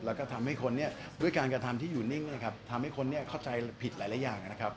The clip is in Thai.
แล้วก็ทำให้คนเนี่ยด้วยการกระทำที่อยู่นิ่งนะครับทำให้คนเข้าใจผิดหลายอย่างนะครับ